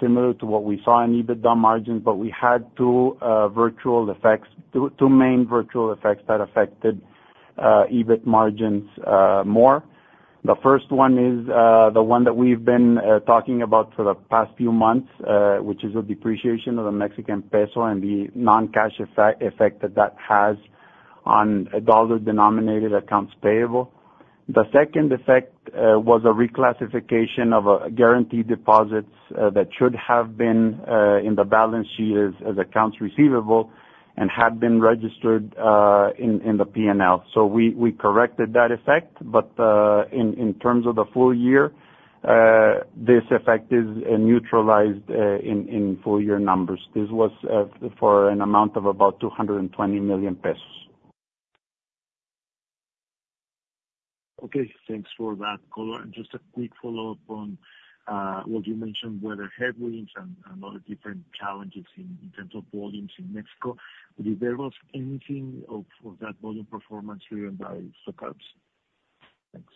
D: similar to what we saw in EBITDA margins, but we had two main adverse effects that affected EBIT margins more. The first one is the one that we've been talking about for the past few months, which is the depreciation of the Mexican peso and the non-cash effect that that has on dollar-denominated accounts payable. The second effect was a reclassification of guaranteed deposits that should have been in the balance sheet as accounts receivable and had been registered in the P&L. So we corrected that effect, but in terms of the full year, this effect is neutralized in full year numbers. This was for an amount of about 220 million pesos.
K: Okay, thanks for that color. And just a quick follow-up on what you mentioned, weather headwinds and other different challenges in terms of volumes in Mexico. If there was anything to that volume performance driven by stockouts? Thanks.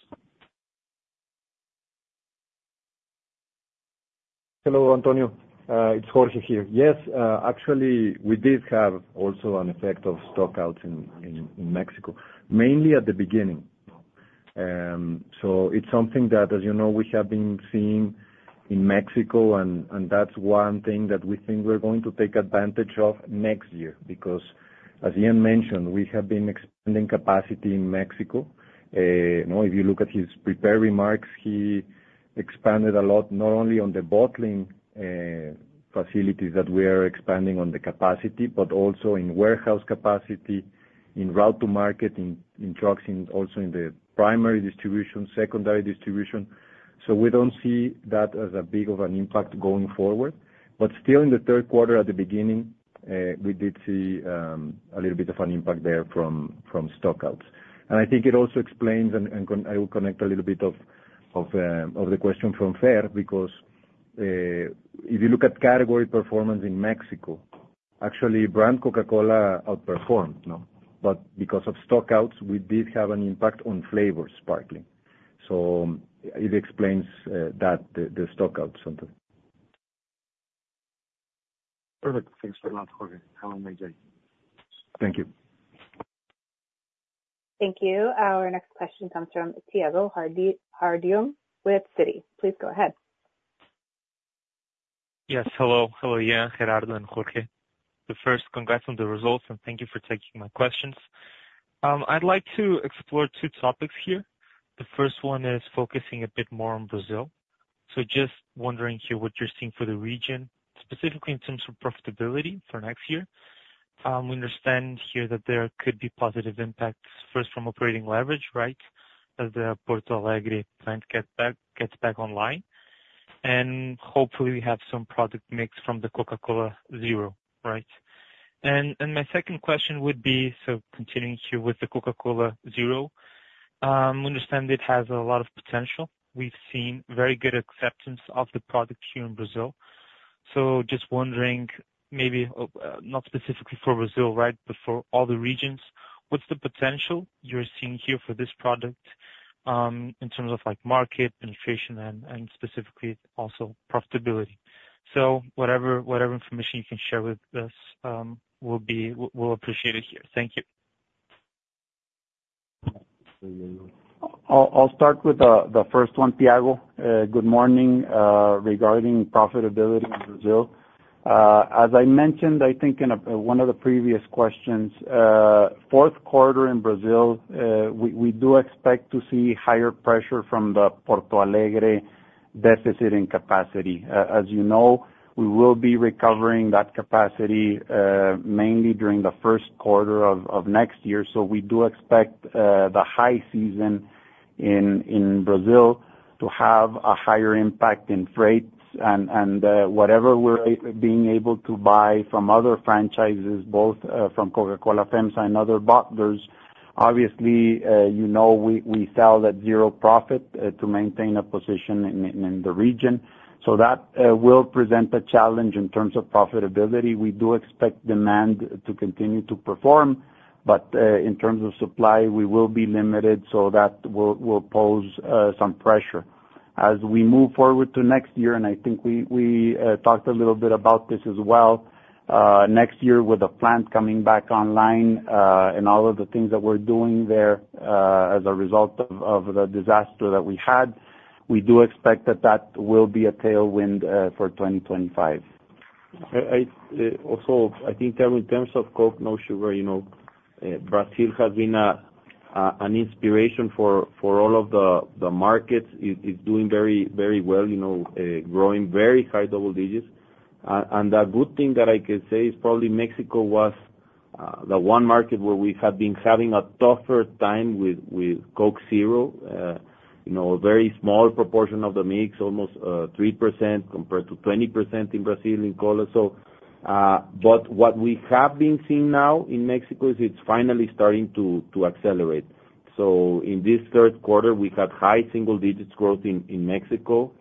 D: Hello, Antonio, it's Jorge here. Yes, actually, we did have also an effect of stockouts in Mexico, mainly at the beginning. So it's something that, as you know, we have been seeing in Mexico, and that's one thing that we think we're going to take advantage of next year, because, as Ian mentioned, we have been expanding capacity in Mexico. You know, if you look at his prepared remarks, he expanded a lot, not only on the bottling facilities that we are expanding on the capacity, but also in warehouse capacity, in route to market, in trucking, also in the primary distribution, secondary distribution. So we don't see that as a big of an impact going forward. But still in the third quarter, at the beginning, we did see a little bit of an impact there from stockouts. I think it also explains, and I will connect a little bit of the question from Fer, because if you look at category performance in Mexico, actually, brand Coca-Cola outperformed, no? But because of stockouts, we did have an impact on flavor sparkling. So it explains that the stockouts sometimes.
K: Perfect. Thanks for that, Jorge. Have a nice day.
D: Thank you.
A: Thank you. Our next question comes from Tiago Harduim with Citi. Please go ahead.
L: Yes, hello. Hello, yeah, Gerardo and Jorge. So first, congrats on the results, and thank you for taking my questions. I'd like to explore two topics here. The first one is focusing a bit more on Brazil. So just wondering here what you're seeing for the region, specifically in terms of profitability for next year. We understand here that there could be positive impacts first from operating leverage, right? As the Porto Alegre plant gets back online. And hopefully we have some product mix from the Coca-Cola Zero, right? And my second question would be, so continuing here with the Coca-Cola Zero, we understand it has a lot of potential. We've seen very good acceptance of the product here in Brazil. So just wondering, maybe, not specifically for Brazil, right, but for all the regions, what's the potential you're seeing here for this product, in terms of, like, market penetration and specifically also profitability? So whatever information you can share with us, we'll appreciate it here. Thank you.
D: I'll start with the first one, Tiago. Good morning, regarding profitability in Brazil. As I mentioned, I think in one of the previous questions, fourth quarter in Brazil, we do expect to see higher pressure from the Porto Alegre deficit in capacity. As you know, we will be recovering that capacity, mainly during the first quarter of next year. So we do expect the high season in Brazil to have a higher impact in freights and whatever we're being able to buy from other franchises, both from Coca-Cola FEMSA and other bottlers. Obviously, you know, we sell at zero profit to maintain a position in the region. So that will present a challenge in terms of profitability. We do expect demand to continue to perform, but in terms of supply, we will be limited, so that will pose some pressure.
C: ...As we move forward to next year, and I think we talked a little bit about this as well, next year, with the plant coming back online, and all of the things that we're doing there, as a result of the disaster that we had, we do expect that that will be a tailwind for 2025. I also, I think in terms of Coke No Sugar, you know, Brazil has been an inspiration for all of the markets. It's doing very, very well, you know, growing very high double digits. And the good thing that I can say is probably Mexico was the one market where we have been having a tougher time with Coke Zero. You know, a very small proportion of the mix, almost 3% compared to 20% in Brazil, in cola, so but what we have been seeing now in Mexico is it's finally starting to accelerate. So in this third quarter, we had high single digits growth in Mexico.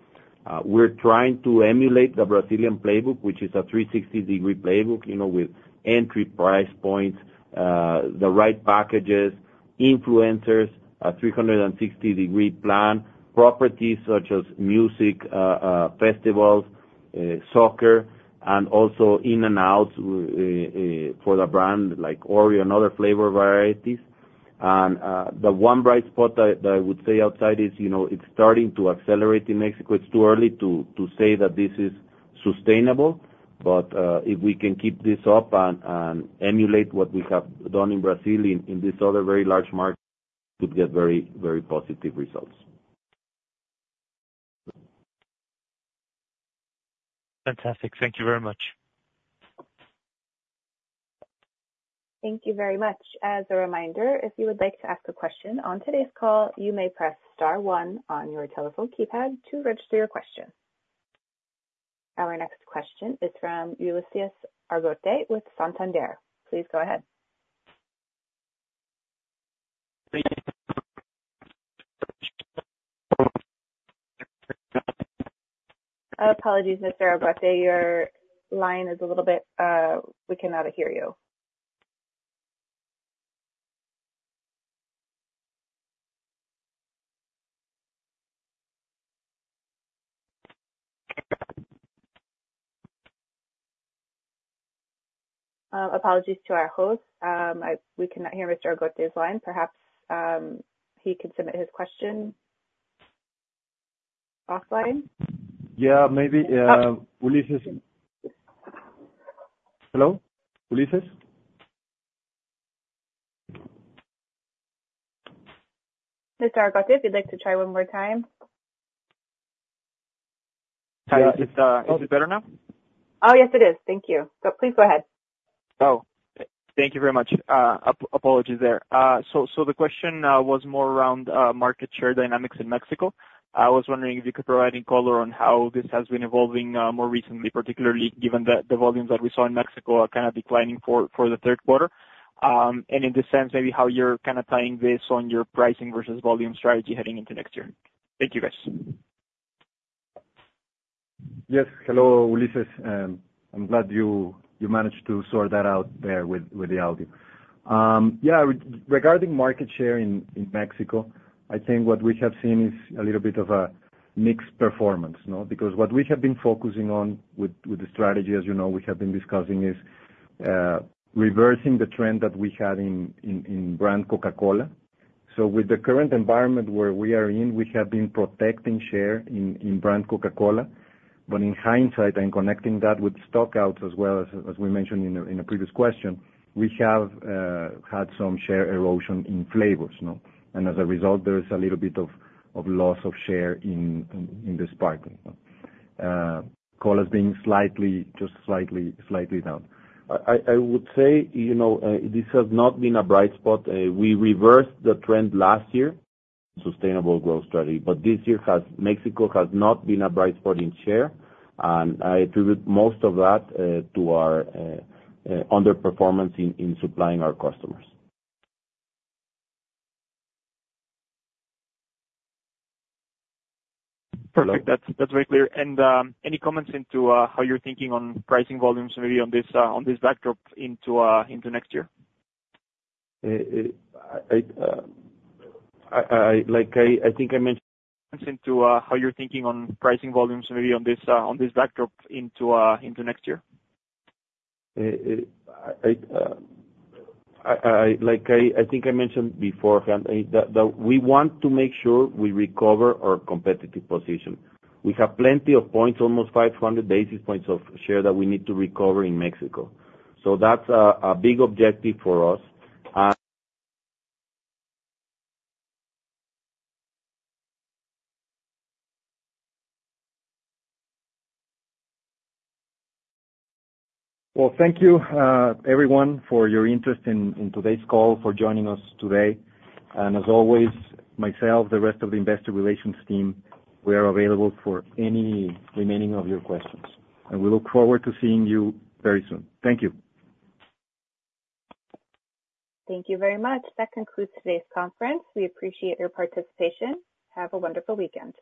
C: We're trying to emulate the Brazilian playbook, which is a 360-degree playbook, you know, with entry price points, the right packages, influencers, a 360-degree plan, properties such as music, festivals, soccer, and also in and out for the brand, like Oreo and other flavor varieties. And the one bright spot that I would say outside is, you know, it's starting to accelerate in Mexico. It's too early to say that this is sustainable, but if we can keep this up and emulate what we have done in Brazil, in this other very large market, could get very, very positive results.
M: Fantastic. Thank you very much.
A: Thank you very much. As a reminder, if you would like to ask a question on today's call, you may press star one on your telephone keypad to register your question. Our next question is from Ulises Argote with Santander. Please go ahead.
M: Thank you.
A: Our apologies, Mr. Argote. Your line is a little bit. We cannot hear you. Apologies to our host. We cannot hear Mr. Argote's line. Perhaps he could submit his question offline?
C: Yeah, maybe, Ulises. Hello, Ulises?
A: Mr. Argote, if you'd like to try one more time.
M: Hi, is it better now?
A: Oh, yes, it is. Thank you. So please go ahead.
M: Oh, thank you very much. Apologies there. So the question was more around market share dynamics in Mexico. I was wondering if you could provide any color on how this has been evolving more recently, particularly given the volumes that we saw in Mexico are kind of declining for the third quarter. And in this sense, maybe how you're kind of tying this on your pricing versus volume strategy heading into next year. Thank you, guys.
C: Yes. Hello, Ulises. I'm glad you managed to sort that out there with the audio. Yeah, regarding market share in Mexico, I think what we have seen is a little bit of a mixed performance, you know, because what we have been focusing on with the strategy, as you know, we have been discussing, is reversing the trend that we had in brand Coca-Cola. So with the current environment where we are in, we have been protecting share in brand Coca-Cola. But in hindsight, and connecting that with stock outs as well as we mentioned in a previous question, we have had some share erosion in flavors, no? And as a result, there is a little bit of loss of share in the sparkling. Cola is being slightly, just slightly, slightly down. I would say, you know, this has not been a bright spot. We reversed the trend last year, sustainable growth strategy, but this year has... Mexico has not been a bright spot in share, and I attribute most of that to our underperformance in supplying our customers.
M: Perfect. That's very clear. And, any comments into how you're thinking on pricing volumes, maybe on this backdrop into next year?
C: Like I think I mentioned-
M: into how you're thinking on pricing volumes, maybe on this backdrop into next year?
C: Like I think I mentioned beforehand, that we want to make sure we recover our competitive position. We have plenty of points, almost 500 basis points of share, that we need to recover in Mexico. So that's a big objective for us, and well, thank you everyone, for your interest in today's call, for joining us today. As always, myself, the rest of the investor relations team, we are available for any remaining of your questions, and we look forward to seeing you very soon. Thank you.
A: Thank you very much. That concludes today's conference. We appreciate your participation. Have a wonderful weekend.